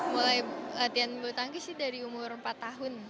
mulai latihan bulu tangki sih dari umur empat tahun